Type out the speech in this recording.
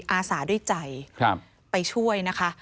อาสาด้วยใจไปช่วยนะคะ